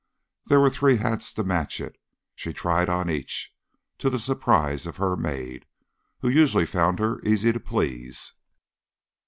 There were three hats to match it, and she tried on each, to the surprise of her maid, who usually found her easy to please.